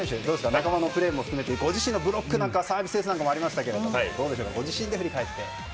仲間のプレーも含めてご自身のブロックやサービスサーブなどありましたけどどうでしょうかご自身で振り返って。